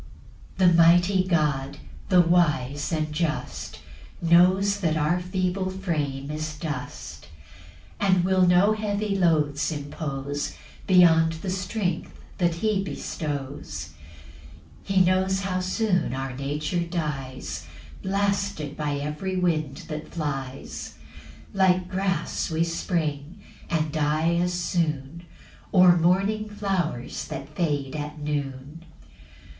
PAUSE. 7 The mighty God, the wise, and just, Knows that our frame is feeble dust; And will no heavy loads impose Beyond the strength that he bestows. 8 He knows how soon our nature dies, Blasted by every wind that flies; Like grass we spring, and die as soon, Or morning flowers that fade at noon.